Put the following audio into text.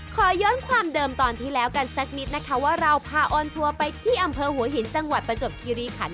ขอย้อนความเดิมตอนที่แล้วกันสักนิดนะคะว่าเราพาออนทัวร์ไปที่อำเภอหัวหินจังหวัดประจวบคิริขัน